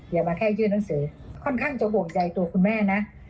อย่ามาแค่ยื่นหนังสือค่อนข้างจะบวกใจตัวคุณแม่นะ